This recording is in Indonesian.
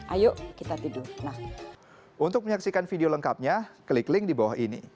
ayo kita tidur nah untuk menyaksikan video lengkapnya klik link di bawah ini